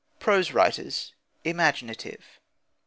PROSE WRITERS: IMAGINATIVE.